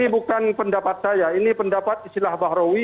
ini bukan pendapat saya ini pendapat istilah bahrawi